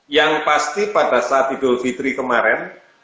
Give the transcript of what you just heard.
yang pasti pada saat idul fitri kemarin